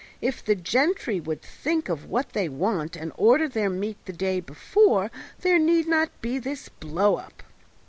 If the gentry would think of what they want, and order their meat the day before, there need not be this blow up!"